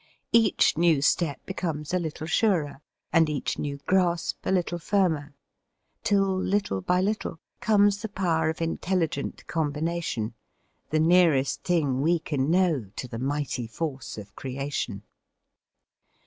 Each new step becomes a little surer, and each new grasp a little firmer, till, little by little, comes the power of intelligent combination, the nearest thing we can know to the mighty force of creation.